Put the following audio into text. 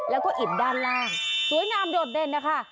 แล้วก็อิ่มด้านล่างสวยงามโดดเด่นนะคะ